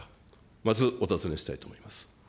まずお尋ねしたいと思います。